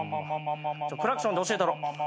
クラクションで教えたろ。